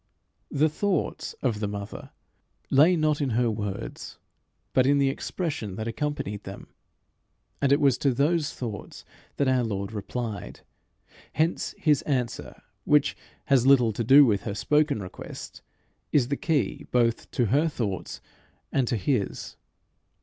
The thoughts of the mother lay not in her words, but in the expression that accompanied them, and it was to those thoughts that our Lord replied. Hence his answer, which has little to do with her spoken request, is the key both to her thoughts and to his.